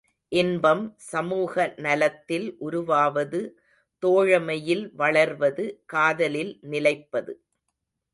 இன்பம் சமூக நலத்தில் உருவாவது தோழமையில் வளர்வது காதலில் நிலைப்பது.